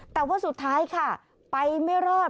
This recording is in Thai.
แต่ว่าสุดท้ายค่ะไปไม่รอด